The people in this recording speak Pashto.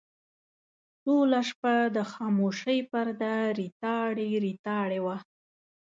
ټوله شپه د خاموشۍ پرده ریتاړې ریتاړې وه.